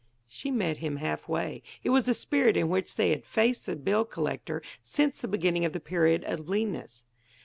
She met him half way. It was the spirit in which they had faced the bill collector since the beginning of the period of leanness.